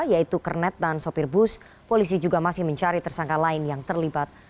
yaitu kernet dan sopir bus polisi juga masih mencari tersangka lain yang terlibat